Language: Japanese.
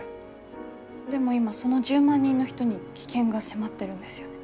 でも今その１０万人の人に危険が迫ってるんですよね？